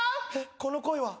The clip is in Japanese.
この声は！